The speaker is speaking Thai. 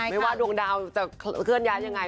ไม่ว่าดวงดาวจะเคลื่อนย้ายยังไง